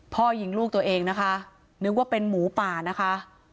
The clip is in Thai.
พ่อยิงลูกตัวเองนะคะนึกว่าเป็นหมูป่านะคะ